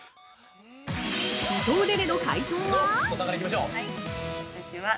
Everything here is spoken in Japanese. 伊藤寧々の解答は？